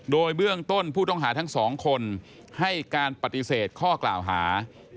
โดยเบื้องต้นผู้ต้องหาทั้งสองคนให้การปฏิเสธข้อกล่าวหา